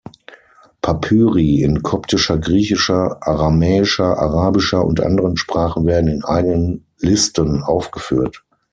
Papyri in koptischer, griechischer, aramäischer, arabischer und anderen Sprachen werden in eigenen Listen aufgeführt.